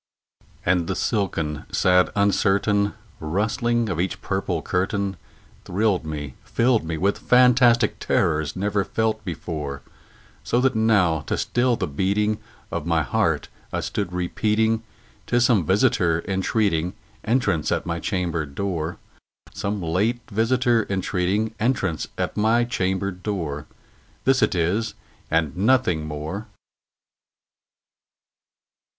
And the silken sad uncertain rustling of each purple curtain Thrilled me filled me with fantastic terrors never felt before; So that now, to still the beating of my heart, I stood repeating "'Tis some visitor entreating entrance at my chamber door Some late visitor entreating entrance at my chamber door; This it is and nothing more."